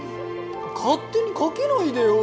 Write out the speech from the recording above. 勝手にかけないでよ！